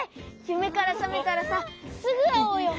ゆめからさめたらさすぐあおうよ。